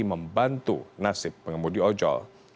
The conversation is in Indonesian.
membantu nasib pengemudi ojol